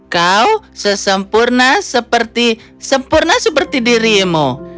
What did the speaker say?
kau sesempurna seperti sempurna seperti dirimu